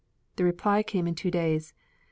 The reply came in two days. Mr.